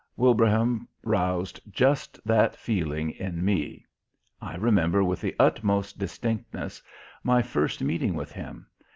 Wilbraham roused just that feeling in me. I remember with the utmost distinctness my first meeting with him.